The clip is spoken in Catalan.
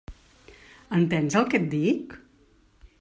Entens el que et dic?